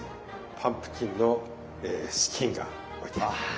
パンプキンのスキンが置いてあると。